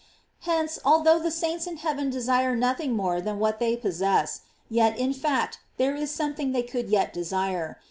Hence, although the saints in heaven desire noth ing more than what they possess, yet, in fact, there is something they could yet desire.